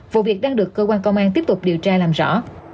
vụ việc đang được cơ quan công an tiếp tục điều tra làm rõ